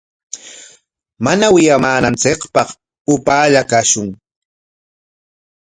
Mana wiyamananchikpaq upaallalla kashun.